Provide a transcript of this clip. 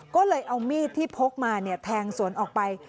ก็เลยเอามีดที่พกมาแทงสวนออกไป